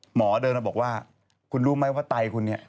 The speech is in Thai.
หมอเดินมาบอกว่าคุณรู้ไหมว่าไตคุณเนี่ย